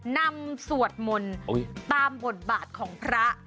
สวดมนต์ตามบทบาทของพระ